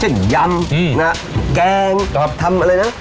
เช่นยำนะครับแกงทำอะไรนะ